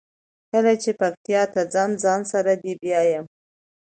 کله چې پکتیا ته ځم ځان سره دې بیایمه.